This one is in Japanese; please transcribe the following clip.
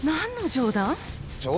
冗談？